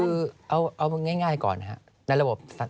คือเอาง่ายก่อนค่ะ